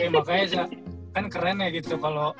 makanya zha kan keren ya gitu kalo